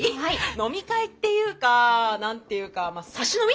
飲み会っていうか何て言うかまあサシ飲み？